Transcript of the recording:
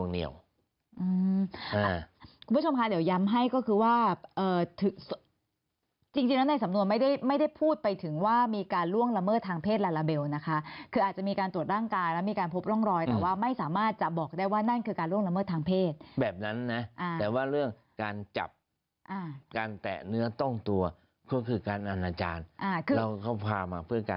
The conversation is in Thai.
เดี๋ยวเราจะถามในข้อที่จริงแล้วนะคะ